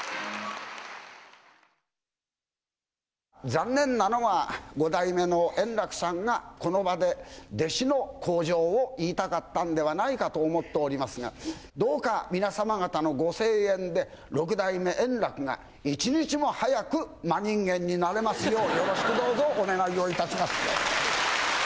残念なのが、五代目の圓楽さんがこの場で弟子の口上を言いたかったんではないかと思っておりますが、どうか皆様方のご声援で、六代目円楽が一日も早く真人間になれますよう、よろしくどうぞお願いをいたします。